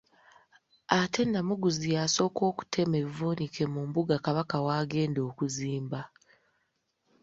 Ate Namuguzi y'asooka okutema evvuunike mu mbuga Kabaka wagenda okuzimba.